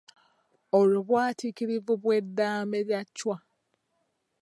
Olw'obwatiikirivu bw’eddaame lya Chwa.